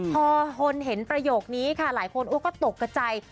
พอคนเห็นประโยคนี้ค่ะหลายคนก็ตกกระใจ